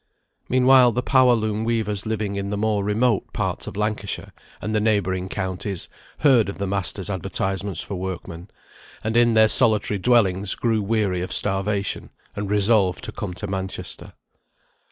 Meanwhile, the power loom weavers living in the more remote parts of Lancashire, and the neighbouring counties, heard of the masters' advertisements for workmen; and in their solitary dwellings grew weary of starvation, and resolved to come to Manchester.